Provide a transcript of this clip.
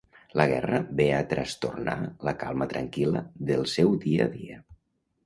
La guerra ve a trastornar la calma tranquil·la del seu dia a dia.